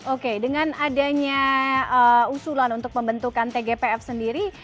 oke dengan adanya usulan untuk membentukkan cgpf sendiri